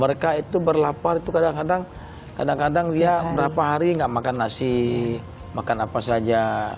mereka itu berlapar itu kadang kadang dia berapa hari nggak makan nasi makan apa saja